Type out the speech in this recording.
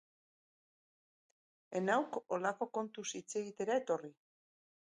Ez nauk holako kontuz hitz egitera etorri!